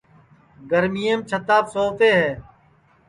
گرمِیم چھِتاپ سووتے ہے